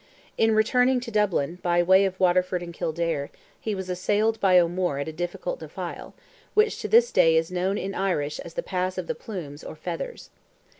In returning to Dublin, by way of Waterford and Kildare, he was assailed by O'Moore at a difficult defile, which, to this day, is known in Irish as "the pass of the plumes" or feathers.